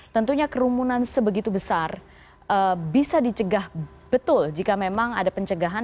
tentunya kerumunan sebegitu besar bisa dicegah betul jika memang ada pencegahan